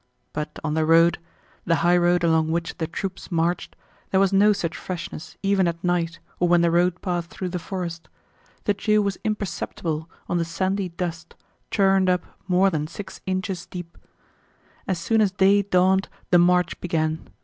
But on the road, the highroad along which the troops marched, there was no such freshness even at night or when the road passed through the forest; the dew was imperceptible on the sandy dust churned up more than six inches deep. As soon as day dawned the march began.